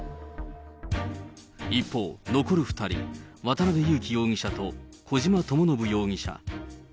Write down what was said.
一方、残る２人、渡辺優樹容疑者と、小島智信容疑者。